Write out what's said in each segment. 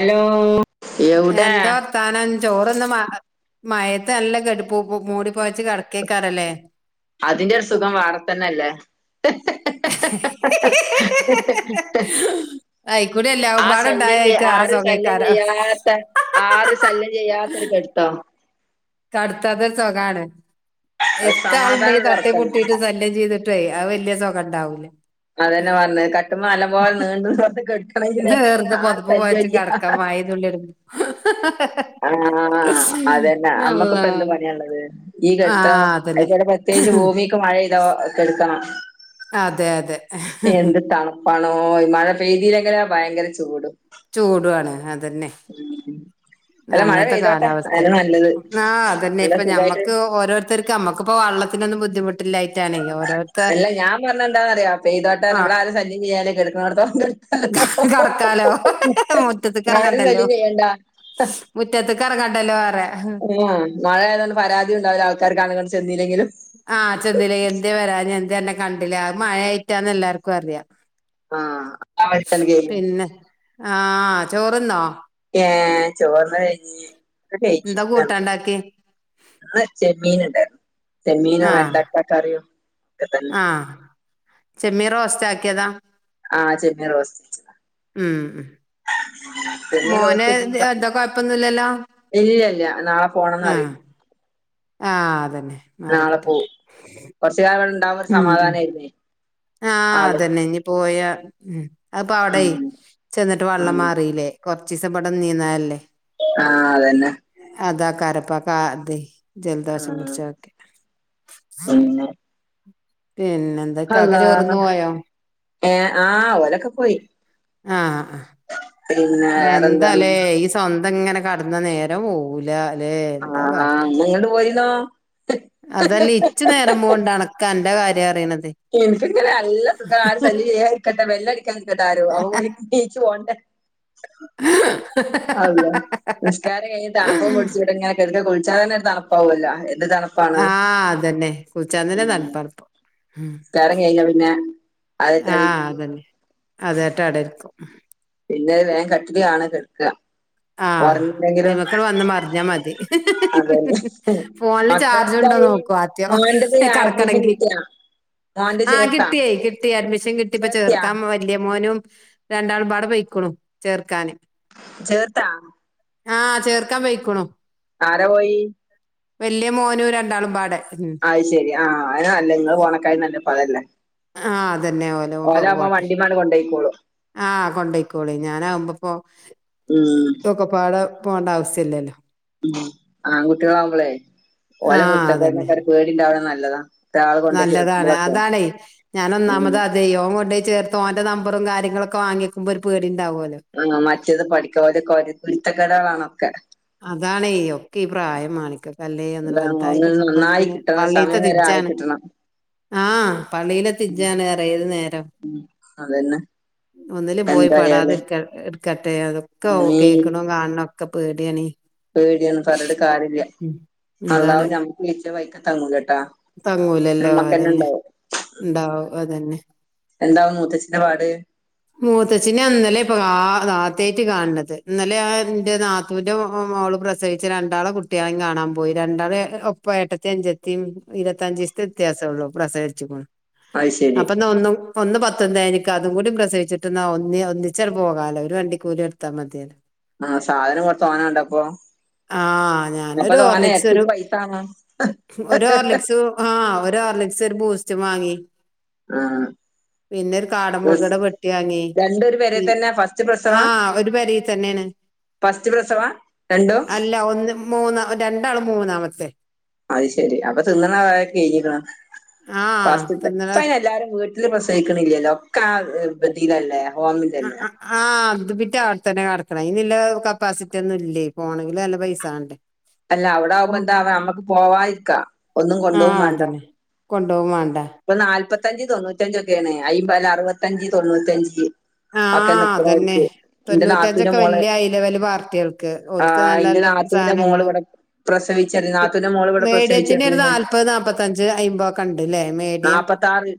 Hello എവിടെ എന്താ വർത്താന ചോറൊന്ന് മ മയത്ത് നല്ല കടുപ്പൂ മൂടി പോവച്ച് കിടക്കയ്ക്കാരല്ലേ അതിന്റെ ഒരു സുഖം വാറെത്തന്നെ അല്ലേ [unintelligible] അയിക്കൂടി എല്ലാവും ആ പാടുണ്ടായ ശല്യം ചെയ്യ അയിക്ക് ആറ ആറ് ശല്യം സുഖേക്കാരം ചെയ്യാത്ത ആറ് ശല്യം ചെയ്യാത്ത ഒര് കട്ത്താ കടുത്താതൊര് സുഖാണ് അത് എത്ര ആൾണ്ടെങ്കി സമാധാനം തട്ടി വർക്കാണ് മുട്ടിട്ട് ശല്യം ചെയ്തിട്ട് ട്ടെയ് അത് വലിയ സുഖണ്ടാവുല്ല അതന്നെ വന്ന് കട്ടുമ്മ നല്ലംപോലെ നീണ്ട് നിവർന്ന് കെട്ക്ക വെറ്തെ പൊത്പ്പ് പൊത്ച്ച് കിടക്കാ മഴെംതുള്ളിട്മ്പം ആ അതന്നെ അല്ലാ നമ്മക്കിപ്പം എന്ത് പണിയാള്ളത് ഈ ആ കെട്ത്തം അയ്കുടെപ്പം പ്രത്യേകിച്ച് അതന്നെ ഭൂമിക്ക് മഴയ്താ കെട്ക്കണം അതെ അതെ പണോ മഴ പെയ്തില്ലിങ്കിലാ ഭയങ്കര ചൂട് ചൂടു ആണ് അത് മ് മ് അങ്ങനത്തെ കാലാവസ്ത്തെപ്പം ആ അതന്നെ നല്ല ഇപ്പം സുഖായിട്ട് ഞമ്മക്ക് ഓരോരുത്തർക്ക് നമ്മക്കിപ്പൊ വള്ളത് ത്തിനൊന്നും ബുദ്ധിമുട്ട് അല്ല ഞാൻ പറഞ്ഞെന്താന്നറിയോ പെയ്തോട്ടെ ആ നമ്മളാരും ശല്യം ചെയ്യൻല്ല കെടക്ക്ണോട്ത്തോളം കെട്ക്ക കടക്കാലോ മുറ്റത്ത്ക്ക് ആരും സല്ല്യംചെയ്യണ്ട ക്കറ കട്ടല്ലോ ആ മഴ ആയത്കൊണ്ട് പരാതി ഉണ്ടാവില്ല ആൾക്കാർക്കാണ്ടുങ്ങട്ടും ചെന്നില്ലെങ്കിലും. ആഹ് ചെന്നില്ലേ എന്തേ വരാഞ്ഞെ എന്തെ അന്നെ കണ്ടില്ല അ മഴയായിട്ടാന്ന് എല്ലാർക്കും അറിയാം. ആ ആൾട്ടെന്ത് ചെയ്യും പിന്നെ ആ ചോറ്ന്നോ ഏ ചോർന്നല് കഴിഞ്ഞ് ഒക്കെ എന്താ കഴിഞ്ഞിരിക്കാണ് കൂട്ടാണ്ടാക്കി ആ ചെമ്മീൻ ഉണ്ടായിരുന്നു ചെമ്മീനോ ആ വെണ്ടക്ക കറിയും ഒക്കെ തന്നെ ആ ചെമ്മീൻറോസ്റ്റ് ആക്കിയതാ ആഹ് ചെമ്മീൻ റോസ്റ്റ് വെച്ചതാ ഉം ചെമ്മീൻ മോന് റോസ്റ്റ് ത് എന്താ കൊഴപ്പൊന്നുല്ലല്ലോ. ഇല്ല ഇല്ല നാളെ പോണംന്ന് പറീണ്ട് ആ അതന്നെ മാറി നാളെ കിട്ടട്ടെ പോവും കൊറ്ച്ച് കാലംവ്ടണ്ടാവുമ്പം ഒരു സമാധാനേയിര്ന്നേ ആ അതന്നെ ഇനി പോയാ മ് അത്പ്പോ അവിടെയ് ഉം ചെന്നിട്ട് വെള്ളം ഉം മാറില്ലേ കൊറ്ച്ചീസം ഇവിടെ ന്നീന്നെല്ലേ ആ അതന്നെ കരപ്പ കാ തെയ് ജലദോഷം ഉം പിടിച്ചൊക്കെ പിന്നെ പിന്നെ എന്ത്ക്കാക്ക അള്ളാ ചോറന്ന് പോയോ ഏഹ് ആഹ് ഓലൊക്കെ പോയി ആ അ പിന്നെ വേറെന്താണ് എന്താലേ ഈ സ്വന്തം ഇങ്ങനെ കടന്നാ നേരം പോവൂല ല്ലേ ആ എന്താ ന്നാ ഇങ്ങട്ട് പോരീന്നാ അതല്ലേ ഇച്ച് നേരമ്പോണ്ട്അണക്ക് അന്റെ കാര്യാ പറിണത്. എനിക്ക്ങ്ങനെ നല്ല സുഖാ ആരും ശല്യം ചെയ്യാതിരിക്കട്ടെ ബെല്ല് അടിക്കാതിരിക്കട്ടെ ആരും അവ വി നീച്ചു പോണ്ടെ. അള്ള നിസ്കാരം കഴിഞ്ഞ് തണുപ്പും പിടിച്ചിവിടെ ഇങ്ങനെകെട്ന്ന് കുൾ ച്ചാ തന്നെ ഒരു തണപ്പാവുല്ലൊ ഏ ആഹ് അതന്നെ കുൾച്ചാൻതന്നെ ഉം തണ്പ്പാണ്പ്പം മ് നിസ്കാരം കഴിഞ്ഞാ പിന്നെ ആ അതെറ്റാല് അതന്നെ അതേറ്റ് അടെയിരിക്കും. പിന്നെ രു വേഗം കട്ടില് കാണു കെട്ക്ക ആ അ മക്കൾ വന്ന് മറിഞ്ഞ മതി അതന്നെ ഫോണില് ചാർജു ണ്ടോ മക്കളെന്തായി നോക്കു ആദ്യ മോന്റത് അഡ്മിഷൻ കടക്കണെങ്കി കിട്ടിയാ മോന്റെ ആഹ് ചേർത്താ കിട്ടി കിട്ടി അഡ്മിഷൻ കിട്ടിപ്പ ചേർത്തിയാ ചേർക്കാ വലിയ മോനും രണ്ടാൾ പാട പയിക്കണും ചേർക്കാന് ചേർത്താ ആഹ് ചേർക്കാൻ പൊയിക്കുണു ആരാ പോയി വല്യ മോനും രണ്ടാളും പാടെ ഉം അത് ശെരി ആഹ് അതാ നല്ലെ നിങ്ങള് പോണക്കായ് നല്ല പതല്ലേ. ആഹ് അതന്നെ ഓലെ പോട്ടെ വണ്ടിമ്മേണ്ട് കൊണ്ടോയിക്കോളും ആഹ് കൊണ്ടയ് കോളി ഞാനാവുമ്പോപ്പോ ഉം ഒക്കപ്പാടെ പോണ്ട ആവസ്യം ഇല്ലല്ലോ ഉം ആൺകുട്ടികളാവുമ്പളേ ഓലെ ആഹ് അതന്നെ കുരുത്തക്കേടിനൊക്കെ ഒരു പേടിണ്ടാക്ണത് നല്ലതാ ഒരാള് കൊണ്ടോയി നല്ലതാണ് ചേർക്കുമ്പളൊക്കെ അതാണെ ഉം ഞാനൊന്നാമത് അതെ ഓന് കൊണ്ടേയ് ചേർത്ത ഓന്റെ നമ്പറും കാര്യങ്ങളൊക്കെ വങ്ങിക്കുമ്പോ ഒരു പേടിണ്ടാവുല്ലോ റ്റത് പഠിക്ക്ണോലെക്കെ ഓലെ കുരുത്തക്കെടാണ് ണൊക്കെ അതാണെയ് ഒക്കെ ഈ പ്രായം മാണിക്ക കല്ലെ ഒന്ന് അതാണ് വൽതായി ഒന്ന് നന്നായി കിട്ടുമ്പോഴത്തിന് കിട്ടണം പള്ളീത്തെ സമയം വരെ ആയി തിജ്ജാണ് കിട്ടണം ആഹ് പള്ളില് തിജ്ജാണ് അറിയാ ഏത് നേരം ഉം അതന്നെ ഒന്നിലും പോയി എന്തായാലും പെടാതെക്ക ട്ക്കട്ടെ അതൊക്കെ കേക്ക്ണെം കാൺണ ഒക്കെ പേട്യാണെ പേടിയന്നും പറഞ്ഞിട്ട് കാര്യല്യാ അള്ളാഹു അതാണ് നമ്മക്ക് വിധിച്ചത് വയ്ക്ക താങ്ങൂലല്ലോ ആ തങ്ങൂലല്ലോ നമ്മക്ക്ന്നെ അതന്നെ ഉണ്ടാവും ഉം ഉണ്ടാവും അതന്നെ എന്താവും മുത്തച്ഛിന്റെ പാട് മൂത്തച്ചിനെ ഇന്നലെ ഇപ്പ ആ അതാ ആദ്യയിട്ട് കാണുന്നത് ഇന്നലെ ഇൻ്റെ നാത്തൂൻ്റെ മോള് പ്രസവിച്ച് രണ്ടാളെ കുട്ടികളെം കാണ ആപോയി രണ്ടാള് ഒപ്പ ഏട്ടത്തീം അഞ്ചത്തീം ഇരുപത്തഞ്ജീസ്തേ വ്യത്യാസംള്ളൂ പ്രസവിച്ചക്ണ് അത് ശരി അപ്പൊ ന്ന ഒ ഒന്ന് പ പന്താ എനിക്കതും കൂടി പ്രസവിച്ചിട്ട് ഒന്നി ഒന്നിച്ചാ പോകാലോ ഒരു വണ്ടി കൂലി എടുത്താൽ മതിയേ ആ സാധനം കൊറച് തോനാണ്ടപ്പോ ആ ഞാനൊരു ഹോർലിക്സ് ഒരു [unintelligible] സു ആ ഒരു ആർലിക്സ് ഒരു ബൂസ്റ്റും വാങ്ങി ആ പിന്നെ ഒരു കാട മുകട ഡ്രസ്സ് വെട്ടിവാങ്ങി രണ്ടും ഒരു പെരേ പി തന്നെ ഫസ്റ്റ് പ്രസവാ ആഹ ഒരു പരി തന്നെയാണ് ഫസ്റ്റ് പ്രസവാ രണ്ടും അല്ല ഒന്ന് മൂന്ന രണ്ടാള് മൂന്നാമത്തെ [unintelligible] ആ തിന്നണ ആ പ്രസവിക്കണില്ലല്ലോ ഒക്കെ ആ ബധീതല്ലേ ആഹ അത് ബിട്ട ആടുത്താനെ ആടുത്ത കണന്നല്ല കപ്പാസിറ്റി ഒന്നും ഇല്ലേ പോണെങ്കിലും നല്ല പൈസആണ് അല്ല അവിടെ ആകുമ്പോ എന്താ നമ്മക്ക് പോവാരിക്കാ ഒന്നും കൊണ്ടു പോോും വേണ്ട കൊണ്ടോവുംമാണം ഇപ്പൊ നാല്പത്ത അഞ്ച് തൊണ്ണൂറ്റഞ്ച ഒക്കെയാണ് അയില് അറുത്തഞ്ച് തൊണ്ണൂറ്റഞ്ച് ഒക്കെ ആഹ അതന്നെ നിക്കണവർക്ക് എന്റെ നാത്തൂന്റെ തൊണ്ണൂറ്റഞ്ചൊക്കെ മോള് വല്ിയ ഹൈ ലെവല് പാർട്ടികൾക്ക് ആ ഓക്ക് എന്റെ നല്ലല്ല നാത്തൂന്റെ മോള് സാധങ്ങളും ഇവിടെ പ്രസവിച്ചെട നാത്തൂന്റെ മോള് ഇവിടെ മീഡിയത്തിന്റെ ഒരു പ്രസവിച്ചെടീന്ന് നാൽപത് നാപ്പത്തഞ്ച് ആയിമ്പത് ഓ കണ്ടല്ലേ നാല്പ്പത്താറ്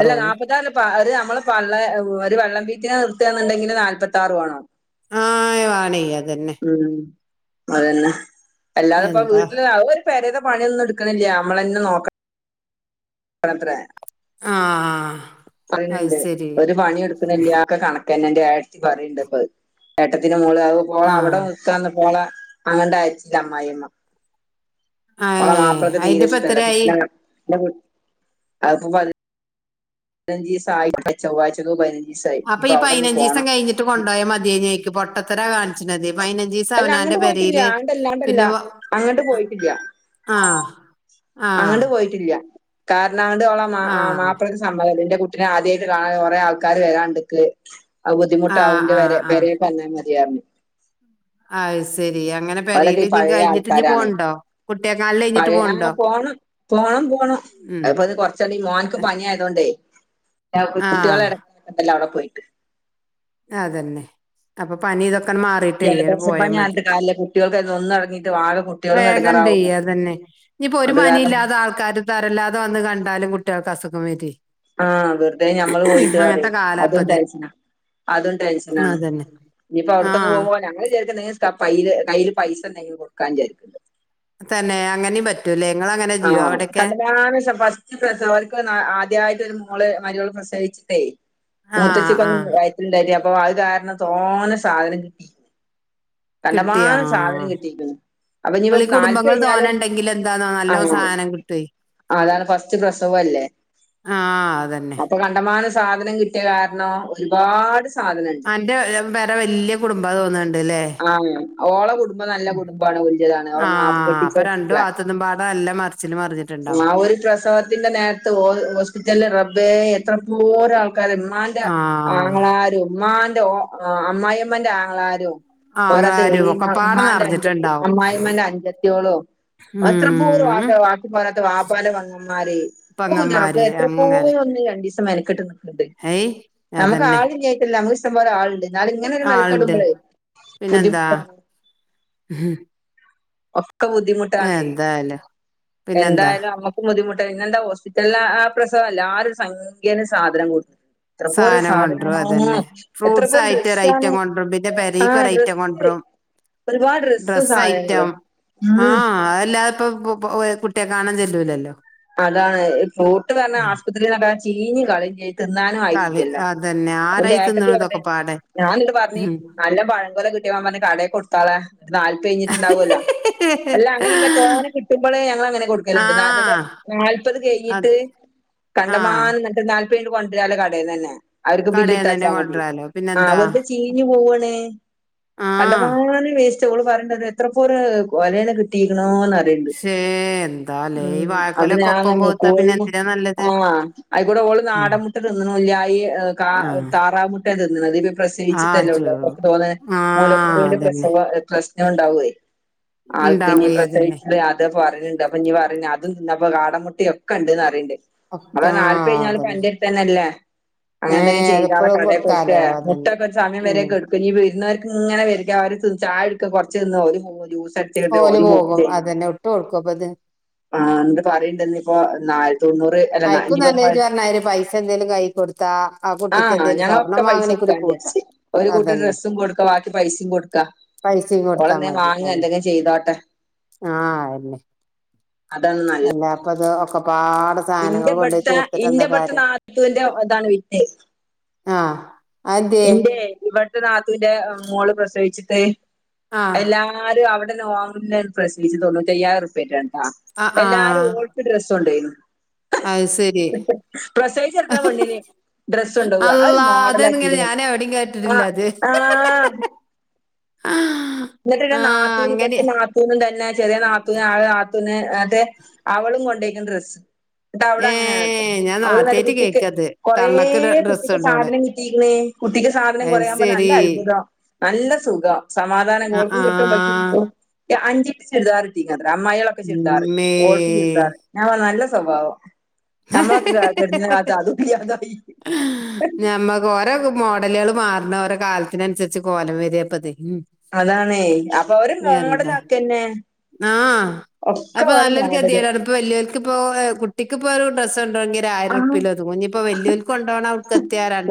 അല്ല നാല്പ്പത്താറി ല നമ്മള് ള്ള ഒരു വള്ളം വീറ്റിനെ നിർത്തുക എന്നുണ്ടെങ്കിൽ നാല്പത്താറു വേണം ആ ആടി അതന്നെ. ഉം അതന്നെ അല്ലാതെ ഇപ്പ എന്താ വീട്ടിൽ അവ ഒരു പേരത പണിയൊന്നും എടുക്കുന്നില്ല നമ്മളന്നെ നോക്കണം [inaudible] ആ അ [inaudible] ഏട്ടത്തിന്റെ മോള് അത് ഓളെ ആ അവിടെ നിക്കാന്ന് ഓളെ അങ്ങണ്ട് അയച്ചില്ല അമ്മായി അമ്മ. ഓൾടെ ഏഹ് മാപ്പിളക്ക് അയിന്റെ തീരെ ഇപ്പ ഇഷ്ടമല്ല എത്രയായി പിന്നെ [inaudible] അപ്പൊ ഇനിയിപ്പോ ഈ അവിടെ ഒന്ന് പതിനഞ്ജീസം പോണം കഴിഞ്ഞിട്ട് കൊണ്ടോയാ മതിയായന് അയ്ക്ക് പൊട്ടത്തരാ അതെ, പൈനാഞ്ജീസ അല്ല അവനാന്റെ അങ്ങട്ട് പോയിട്ടില്ല പെരീല് ആണ്ടല്ല ആണ്ടല്ല പിന്നെ വാ അങ്ങട്ട് അ സ്ച് ആഹ അങ്ങണ്ട് പോയിട്ടില്ല കാരണം അങ്ങണ്ട് ഓളെ മാ ആഹ് മാപ്പാൾക്ക് സമ്മദംല്യ ന്റെ കു നെ ആദ്യമായിട്ട് കാണാൻ കുറേ ആൾക്കാര് വരാണ്ട്ക്ക് ആ ബുദ്ധിമുട്ട് ആകും ആഹ് ന്റെ ആഹ് പെരേ പെരേൽ പറഞ്ഞാ [inaudible] ആ ശരി.. അങ്ങനെ പെരൽ ഞ് പഴയ കഴിഞ്ഞിട്ട് ഇഞ്ഞ് ആൾക്കാരാണേ പോവ്ണ്ടോ കുട്ടിനെ കാണൽ കഴിഞ്ഞിട്ട് പോവ്ണ്ടോ... ണം അത്പ്പൊ ഇന്ന് കൊറച്ചടി മോൻക്ക് പനിയ ആയതോണ്ട്.. കുട്ടികളെ ആഹ് എടക്ക്ണ്ടല്ലോ അവിടെ പോയിട്ട്... അതന്നെ അപ്പൊ പനി ഇതൊക്കെ.. പക്കൻ മാറീട്ട് ആൻട് പോയ ജലദോഷപ്പനി മതി ആയിട്ട് കാര്യമില്ല കുട്ടികൾക്ക് അതിന് ഒന്നും ഇറങ്ങിയിട്ട് ആകെ കുട്ടികളും വേഗം ഇടങ്ങാറാവും ണ്ടെയ്യാതന്നെ.. ഇനിയിപ്പോ ഒരു അത് കാരണം പനിയില്ലാതെ തരല്ലാതെ വന്ന് കണ്ടാലും കുട്ടികൾക്ക് അസുഖം വരി.. ആഹ വെറുതെ ഞമ്മള് പോയിട്ട് ന്ന് പറയും കാലാപ്പത് അതുംടെൻഷനാ.. അതും ടെൻഷനാണ് അതന്നെ ഞ്പ്പോ അവിടക്കൊന്ന് ആഹ് പോകുമ്പോ ഞങ്ങൾ വിചാരി... [unintelligible] കയ്യില് പൈസ എന്തെങ്കിലും കൊടുക്കാന്ന് വിചാരിക്ക്ൻണ്ട്.. തന്നെ അങ്ങനെ പറ്റൂല്ലേ.. ഇങ്ങള് അങ്ങനെ ആ ചെയ്യോ അവിടൊക്കെ കണ്ട്ക്കാണ്ട് ഫസ്റ്റ് പ്രസവം ഓര്ക് ആദ്യയിട്ട് ഒരുമോള് മാരോള്ള്.. പ്രസവിച്ചിട്ടേ ആഹ് മുത്തച്ചികൊന്നും ആഹ് വയറ്റിൽ ണ്ടായ്ര്... അപ്പൊ അത് കാരണം തോനെ സാധനം കിട്ടി... കിട്ടിയാ കണ്ടമാനം സാധനം ആഹ് കിട്ടിക്ക്ണ് അപ്പൊഞ്പ്പം ഇങ്ങളീ നാല്പത് കുടുംബങ്ങൾ തോനെ കഴിഞ്ഞാലും... ഇണ്ടെങ്കിൽ എന്താന്നോ നല്ലോം അപ്പൊ സാധനം കിട്ടുവേ അതാണ് ഫസ്റ്റ് പ്രസവുംല്ലേ ആഹ് അതന്നെ അപ്പൊ കണ്ടാമാ... ന സാധനം കിട്ടിയ കാരണം ഒരുപാട് സ്.. ആന്റെ പേരാ വല്ല്യ കുടുംബാ തോന്നുന്നുണ്ട്.. ആഹ ഓള കുടു.. കുടുംബംനല്ല കുടുംബമാണ് വല്ല്യ താണ് ഓളെ ആഹ് അപ്പൊ രണ്ടു കെട്ടിച്ചോട്തോക്കെ... ഭാഗത്തുന്നും പാടെ നല്ല മറിച്ചില് ആ മറിഞ്ഞിട്ടുണ്ടാവും ഒരു പ്രസവത്തിന്റെ നേരത്ത് ഹോസ്പിറ്റലില് റബ്ബേ എത്ര.... എത്രാ പോരാആൾക്കാര് ഇമ്മാന്റെ ആഹ് ആങ്ങള്ളാരും ഇമ്മാന്... അമ്മായിഅമ്മന്റെ ആങ്ങള്ളാരും... പോരാത്തത് ആങ്ങളാരും യളീമ്മ ഒക്കെപ്പാടെ ഇമ്മാന്റെ അഞ്ച്ത്തി നെറഞ്ഞിട്ടുണ്ടാവും അമ്മായിഅമ്മന്റെ അഞ്ചത്തിയെളും... അത്ര പോര് ഉം ഒരാൾക്കാര് വാപ്പാന്റെ പെങ്ങമ്മാര് ഔ ന്റെ റബ്ബേ പെങ്ങന്മാര് എത്ര അങ്ങനെ പോരോന്ന്... ഇത് രണ്ടീസം മെന.. ഏയ് നമുക്ക് അതന്നെ ആള് ഇല്ലായ്ട്ടെല്ല നമുക്ക് ഇഷ്ട്ടം പോലെ ആൾണ്ട് ന്നാലും ഇ ങ്ങനെര് മെനക്കെടു ആളുണ്ട് മ്പയേ പിന്നെന്താ ക്കെ ബുദ്ധ എന്തായാലും പിന്നെന്താ [unintelligible] സാനം കൊണ്ടുറും അതെന്നെ എത്ര ഫ്രൂട്ട്സ് പോരം ആയിട്ട് ഒരു ഡ്രസ്സാണ് ഐറ്റം കൊണ്ടറും പിന്നെ ആ പെരെക്ക് ഒരു ഐറ്റം ഡ്രസ്സ് കൊണ്ടറും.. ഒരുപാട് [unintelligible] ഡ്രസ്സ് ഡ്രസ്സ്‌ സാധനങ്ങള് ഐറ്റെം ഉം ആഹ അതല്ലാതെ ഇപ്പം കുട്ടിയെ കാണാൻ ചെല്ലൂലല്ലോ അതാണ് ഫ്രൂട്ട് പറഞ്ഞാ ഉം ആസ്പത്രിലൊക്കെ ചീഞ്ഞ് കള്ളിഞ്ഞ് തിന്നാനും കളി ആയിട്ടില്ലല്ലോ അതന്നെ അപ്പൊന്റെ ആരായി ഏട്ടത്തി തിന്നണു പറഞ്ഞ് ഇതൊക്കെ പാടെ ഞാൻ ഇന്ന് പറഞ്ഞഞ് ഉം നല്ല പഴംകൊലം കിട്ടിയപ്പം പറഞ്ഞ് കാടെക്ക് കൊടുത്താളെ നൽപ്പത് കഴിഞ്ഞിട്ടുണ്ടാവേല്ലോ അല്ല അങ്ങനെയല്ല തോനെ കിട്ടുമ്പോള് ഞങ്ങൾ അങ്ങനെ കൊടുക്കലുണ്ട് ആഹ് നാല്പത് അത് കഴഞ്ഞീട്ട് ആഹ് കണ്ടമാന്നം ഇന്നട്ട് നാല്പത് കൈഞ്ഞ്ട്ട് കൊണ്ടുവരാല്ലോ കടയിൽന്ന് തന്നെ അവർക്ക് കടേന്ന് തന്നെ ബില്ല്ട്ടെച്ചാൽ മതി കൊണ്ടരാലോ ആ പിന്നെന്താ വെറ്തെ ചീഞ്ഞു പോവണ് ആഹ് കണ്ടമാന വേസ്റ്റ് ഓള് പറയണ്ട്ത് എത്ര പോരും കൊലെണ് കിട്ടിയിക്കണോ ശേ എന്താലേ ഇ വാഴ അത് ഞാന് കോഴി മുട്ട ആ അയിക്കൂടെ ഒള്ള് ഉം നാടൻ മുട്ട തിന്നുന്നു ഇല്ല ഈ കാട മുട്ട ആഹ് താറാവ് മുട്ടണ് തിന്ന്ണത് ആ പ്രസവിച്ട്ടല്ലേ ഉള്ളൂ ചോ അപ്പൊക്ക് തോന്ന ആഹ് മൂലക്കുരുന്റെ അതന്നെ പ്രസവം പ്രശ്നം ഉണ്ടാവേ ആൾക്ക്ഞ്ഞ് ഉണ്ടാവേ അതന്നെ പ്രസവിച്ചിട്ട് അത് പറയണ്ട് അപ്പൊഞ് പറയു അതും ഇന്നപ്പൊ കാടമുട്ടക്കെ ഉണ്ട് പറയ്ണ്ട് ഒക്കെ നൽപ്പത് ആഹ് കൈഞ്ഞാല്ലും അതന്നെ അന്റെടുത്ത്ന്നല്ലെ അങ്ങനെന്തെങ്കിലും ഏഹ് ചെയ്താള അതിപ്പഴും കാടെ കൊട്ക്കെ കൊടുക്കാലോ അതന്നെ മുട്ടക്കെ ഒരു സമയം വരെ ഉം കൊട്ക്കും ഇഞ്ഞ് വീരുന്നെ ഇങ്ങനെ വരികാ അവര് ചായകൂടിക്കാ കുറച്ച് തിന്നാ ഓല് പോവാ ജൂസ് കുറച്ച് കൈഞ്ഞാ ഓല് പോവും പോകും ചെയ്യും അതന്നെ ഇട്ട് കൊടുക്കും അപ്പ ഇത് ആ [unintelligible] ഇപ്പോ നാൽ അയിക്കും നല്ല ഇജ്ജ് പറഞ്ഞ മാതിരി പൈസ എന്തേങ്കലും കൈ കൊടുത്താ ആ കുട്ടിക്ക് എന്തേങ്കലും സ്വർണ്ണം വാങ്ങണങ്കി [unintelligible] ഒരു കൂട്ട ഡ്രസ്സും കൊടുക്ക ബാക്കി പൈസയും കൊടുക്ക പൈസയും ഓൾ എന്തെങ്കി വാങ്ങേ എന്തെങ്കിലും ചെയ്തോട്ടെ ആ അതന്നെ അതാണ് നല്ലത് [unintelligible] ഒക്കെ പാടെ ഇന്റെ ഇബടുത്തെ ഇന്റെ പബടുത്തെ നാത്തൂന്റെ ഇതാണ് വിറ്റ് ആഹ് അതെന്തേ ഇന്റെ ഇവടുത്തെ നാത്തുവിന്റെ മോള് പ്രസവിച്ചിട്ട് [unintelligible] ആഹ് എല്ലാരും അവിടെന്ന വാങ്ങില്ലന്ന് പ്രസ്റ്റീജ് തേണുറ്റി അയ്യയിരം റുപ്യ ആ ആഹ് എല്ലാരും ആഹ് ഓൾക്ക് ഡ്രസ്സ് കൊണ്ടോയിനി അത് ശരി പ്രസവിച്ച് കടക്ക്ണ പെണ്ണിന് ഡ്രസ്സ് കൊണ്ടുപോവ ആ ഒരു അള്ളാ മോഡല അതെങ്ങനെ ആക്കിണ് ഞാൻ എവിടെയും ആ കേട്ടിട്ടില്ല അത് ആ ആ എന്നിട്ടിന്റെ നാത്തൂന് അങ്ങനെ ഇവിത്തെ നാത്തൂനും തന്നെ ചെറിയ നാത്തൂന ആ മറ്റേ അതെ അവളും കൊണ്ടയിക്ക്ണ് ഡ്രസ്സ് എന്നട്ട് അവിടെ ഏ അങ്ങനെയണ് അത്ര ഞാൻ അവിടെ ഇങ്ങട്ട് സാധനം ആദ്യമായിട്ട് കുട്ടിക്ക് കേക്കത് കൊറേ തള്ളക്ക് ഡ്രസ് കുട്ടിക്ക് ഉണ്ടോണ് കിട്ടിയിക്ക്ണ് കുട്ടിക്ക് സാധനം അത് കുറെ ആകുമ്പോൾ നല്ല ശരി അത്ഭുതം നല്ല സുഖം സമാധാനം ആ ഓൾക്കും ആ കിട്ടും ഇവൾക്കും കിട്ടും അഞ്ചിപ്പിച്ചെഴുതാറുണ്ട് [unintelligible] അമ്മായൾ ഒക്കെ ചുരിദാർ ഉമ്മേ ഓൾക്കും ചുരിദർ ഞാൻ പറഞ്ഞു നല്ല സ്വഭാവം നമ്മളൊക്കെ കടന്ന കാലത്ത് [unintelligible] ആ ഞമ്മക്ക് ഓരോ മോഡലൾ മാര്‍ണ്ണ ഓരോ കാലത്തിനനുസരിച്ച് കോലം വരാപത് അതാണേ അപ്പൊ അവര് മോങ്ങടലാക്കെന്നെ ആ അപ്പൊ നല്ലൊരു കെതികേട്ടാണ് ഇപ്പൊ വലിയക്ക് ഇപ്പോ കുട്ടിക്ക് പോ ഡ്രസ്സ്‌ കൊണ്ടാണെങ്കിൽ ഒരു ആയിരം ആ റുപ്യൽ ഇഞ് ഇപ്പോ വലിയോർക്ക് കൊണ്ടോണം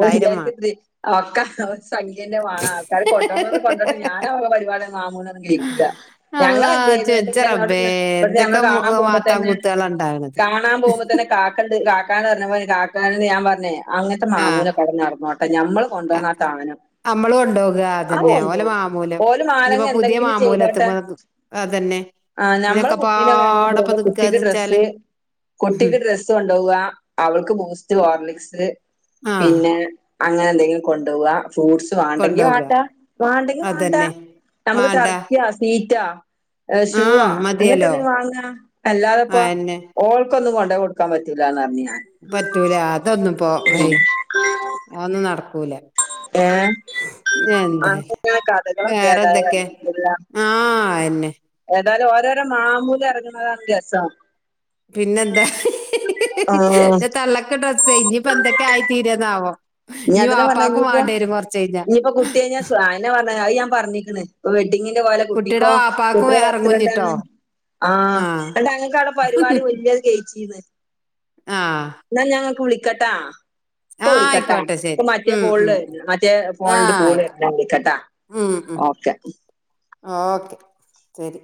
ഓൾ വാണം വിചാരിക്ക്ണ്ട് ഒക്കെ ഒരു സംഖ്യ എന്നെ വേണം ആൾക്കാര് കൊണ്ടോന്ന് കൊണ്ടുപോയ്ക്കോട്ടെ ഞാൻ പരുപാടി മാമൂല് ഒന്നും കേൾക്കുല്ല ഞങ്ങൾ അള്ളാ എന്ത് ഇജ് ചെയ്ത് വെജ്ജ ഇന്നട്ട് റബ്ബേ ഇവിടുന്ന് ഞങ്ങൾ എന്തൊക്കെ കാണൻ മാത്താൻ പോകുമ്പോതേനെ കൂത്തുകളാ ഇണ്ടാക്ണത് കാണാൻ പോകുമ്പോ തന്നെ കാക്കണ്ട് കാക്കന്ന് പറഞ്ഞ അതല്ലേ ഞാൻ പറഞ്ഞേ അങ്ങനത്തെ ആഹ് മാമൂനെ കടഞ്ഞ നടന്നോട്ടെ നഞമ്മള് കൊണ്ട വന്ന ആ സാധനം നമ്മളും കൊണ്ടുപോകുക അതന്നെ ഓലെ മാമൂലം ഓല് ഇനിപ്പോ മാലങ്ങ പുതിയ എന്തെങ്കിലും മാമൂലം എത്തുമ്പോ അതന്നെ ആ നമ്മള് കുട്ടീനെ വേണ പോലെ ഇതിനൊക്കെപ്പാടപ്പം കുട്ടിക്ക് നിക്കാന്ന് വെച്ചാല് ഡ്രസ്സ് കുട്ടിക്ക് ഡ്രസ്സ് കൊണ്ടപോവുക അവൾക്ക് ബൂസ്റ്റ് ഹോർലിക്‌സ് ആഹ് പിന്നെ അങ്ങനെ എന്തെങ്കിലും കൊണ്ടു പോവാ ഫ്രൂട്ട്സ് വേണ്ടെങ്കിൽ കൊണ്ടോക വേണ്ട വേണ്ടെങ്കിൽ വേണ്ടാ അതന്നെ നമുക്ക് വാണ്ട ടർക്കിയാ സവീറ്റാ ഷൂവാ ആഹ് അങ്ങനക്കെ മതിയല്ലോ എന്ത വാങ്ങ അല്ലാതെപ്പ അയെന്നെ ഓ ഒക്കൊന്ന് കൊണ്ട കൊടുക്കാ പറ്റില്ലല്ലന്ന് പറഞ്ഞത് പറ്റൂല അതൊന്നും പോ ഹയ് അ ഒന്നും നടക്കൂല ഏ എന്തായാലും അങ്ങനെ ആ വേറെന്തൊക്കെ കഥകളൊക്കെതായില്ല ആഹ് അയെന്നെ എന്തായാലും ഓരോരോ മാമൂല ഇറങ്ങുന്നതാണ് രസം പിന്നെന്താ ഹി ഹി ഹി ഹി ആഹ് ഹി തള്ളക്കെ ഡ്രസ് കഴഞ്ഞപ്പൊ എന്തൊക്കെ ആയി തീരന്നാവോ ഇനി അതിനെ പറഞ്ഞ ഇനിയിപ്പോ ഇനിയിപ്പോ കുട്ടിയെ ഞാൻ ആ അതിനു പറഞ്ഞ അത് ഞാൻ പറഞ്ഞിരിക്കണ് ഡിങ്ങിന്റെ പോലെ കുട്ടിയുടെ കുട്ടിക്കോ കുട്ട വാപ്പാക്കും എറങ്ങുഞ്ഞിട്ടോ വർത്തണ്ടാണ് ആഹ ആഹ് നിങ്ങക്ക് അവിടെ പരിപാടി വലിയത് കഴച്ചിന്ന് എന്നാ ഞങ്ങ കുളിക്കട്ടാ ആഹ ആയിക്കോട്ടെ ശരി ഉം ഉം കോളില് മറ്റേ ഫോണില് ആഹ കോള് വര്ണ് ണ്ട് വിളിക്കട്ടാ ഉം ഉം ഓക്കെ ഓക്കെ ശരി